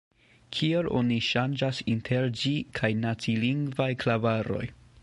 Kiel oni ŝanĝas inter ĝi kaj nacilingvaj klavaroj?